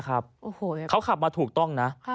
เขาขับมาถูกต้องนะ